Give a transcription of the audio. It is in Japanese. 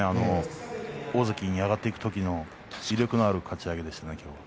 大関に上がっていく時の威力のあるかち上げでしたね。